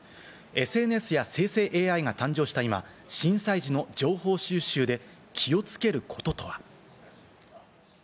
ＳＮＳや生成ＡＩが誕生した今、震災時の情報収集で気をつけることは。